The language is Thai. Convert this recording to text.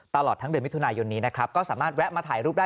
ตลอดทั้งเดือนมิถุนายนนี้นะครับก็สามารถแวะมาถ่ายรูปได้